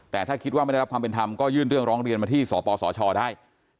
แต่ถ้าคิดว่าไม่ได้รับความเป็นธรรมก็ยื่นเรื่องร้องเรียนมาที่สปสชได้